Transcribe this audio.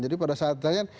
jadi pada saat ditanyakan